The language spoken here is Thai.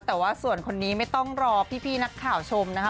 แต่ว่าส่วนคนนี้ไม่ต้องรอพี่นักข่าวชมนะคะ